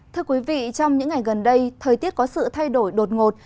thưa quý vị trong những ngày gần đây thời tiết có sự thay đổi đột ngột